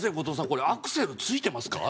これアクセル付いてますか？」